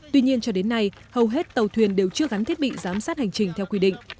tuy nhiên cho đến nay hầu hết tàu thuyền đều chưa gắn thiết bị giám sát hành trình theo quy định